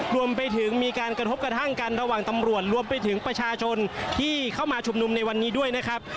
รวมไปถึงมีการกระทบกระทั่งกันระหว่างตำรวจรวมไปถึงประชาชนที่เข้ามาชุมนุมในวันนี้ด้วยนะครับ